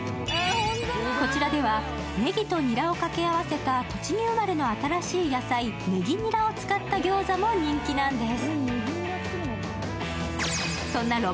こららでは、ねぎとにらを掛け合わせた栃木生まれの新しい野菜、ねぎにらを使った餃子も人気なんです。